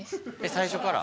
最初から？